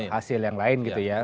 hasil yang lain gitu ya